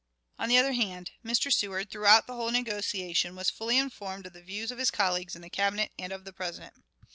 On the other hand, Mr. Seward, throughout the whole negotiation, was fully informed of the views of his colleagues in the Cabinet and of the President.